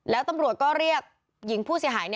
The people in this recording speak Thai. แล้วตำรวจก็เรียกหญิงผู้เสียหาย